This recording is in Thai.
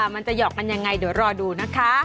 มันจะหอกกันยังไงเดี๋ยวรอดูนะคะ